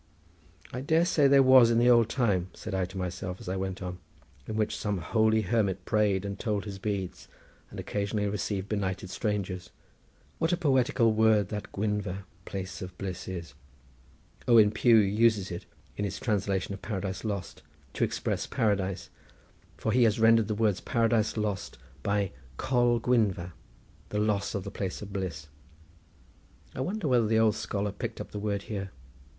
"I dare say there was in the old time," said I to myself, as I went on, "in which some holy hermit prayed and told his beads, and occasionally received benighted strangers. What a poetical word that Gwynfa, place of bliss, is. Owen Pugh uses it in his translation of Paradise Lost to express Paradise, for he has rendered the words Paradise Lost by Coll Gwynfa—the loss of the place of bliss. I wonder whether the old scholar picked up the word here.